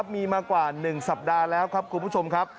มีมากว่า๑สัปดาห์แล้วครับคุณผู้ชมครับ